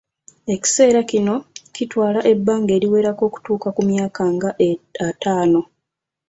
Ekiseera kino kitwala ebbanga eriwerako okutuuka ku myaka nga attano.